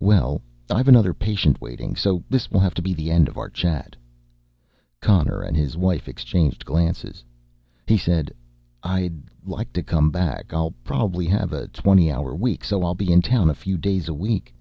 "Well, I've another patient waiting so this will have to be the end of our chat." Connor and his wife exchanged glances. He said, "I'd like to come back. I'll probably have a twenty hour week so I'll be in town a few days a week."